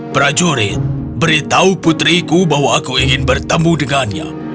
prajurit beritahu putriku bahwa aku ingin bertemu dengannya